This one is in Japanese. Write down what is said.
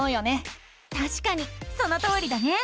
たしかにそのとおりだね！